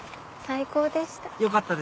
最高でした。